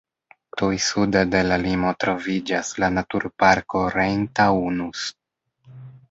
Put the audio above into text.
Tuj sude de la limo troviĝas la Naturparko Rhein-Taunus.